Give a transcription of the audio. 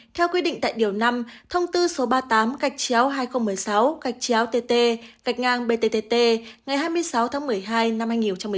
theo quy định tại điều năm thông tư số ba mươi tám hai nghìn một mươi sáu tt bttt ngày hai mươi sáu tháng một mươi hai năm hai nghìn một mươi sáu